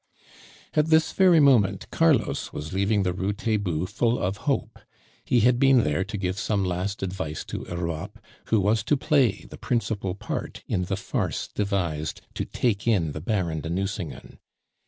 At this very moment Carlos was leaving the Rue Taitbout full of hope; he had been there to give some last advice to Europe, who was to play the principal part in the farce devised to take in the Baron de Nucingen.